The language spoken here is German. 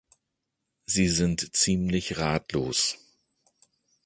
Sie sind ziemlich ratlos.